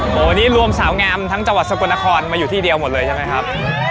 โอ้โหวันนี้รวมสาวงามทั้งจังหวัดสกลนครมาอยู่ที่เดียวหมดเลยใช่ไหมครับ